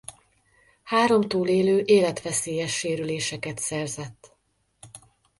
Három túlélő életveszélyes sérüléseket szerzett.